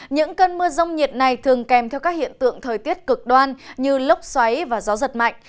những cơn mưa rông nhiệt này thường kèm theo các hiện tượng thời tiết cực đoan như lốc xoáy và gió giật mạnh